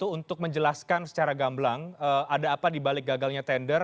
untuk menjelaskan secara gamblang ada apa dibalik gagalnya tender